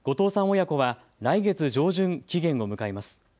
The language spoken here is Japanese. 親子は来月上旬、期限を迎えます。